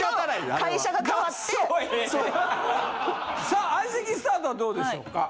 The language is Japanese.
さあ相席スタートはどうでしょうか？